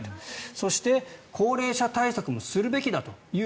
そして、高齢者対策もするべきだという